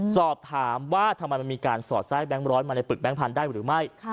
สอบถามว่าทำไมมันมีการสอดไส้แบงค์ร้อยมาในปึกแก๊งพันธุ์ได้หรือไม่